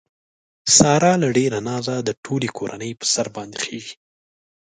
ساره له ډېره نازه د ټولې کورنۍ په سر باندې خېژي.